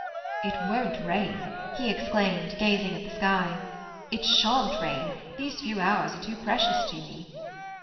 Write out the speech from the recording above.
"It won't rain," he exclaimed, gazing at the sky. "It shan't rain! These few hours are too precious to me."